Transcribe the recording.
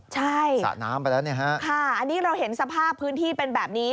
ใช่ค่ะอันนี้เราเห็นสภาพพื้นที่เป็นแบบนี้